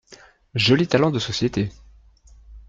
Joli talent de société !